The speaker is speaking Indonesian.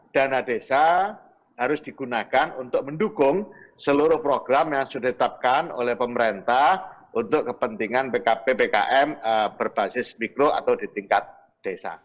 dana desa harus digunakan untuk mendukung seluruh program yang sudah ditetapkan oleh pemerintah untuk kepentingan ppkm berbasis mikro atau di tingkat desa